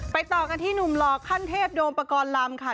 ไปต่อกันที่หนุ่มหลอกขั้นเทพโดมประกอลลำค่ะ